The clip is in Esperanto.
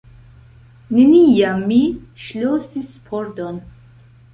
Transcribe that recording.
Neniam mi ŝlosis pordon.